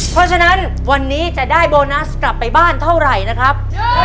เพราะฉะนั้นวันนี้จะได้โบนัสกลับไปบ้านเท่าไหร่นะครับ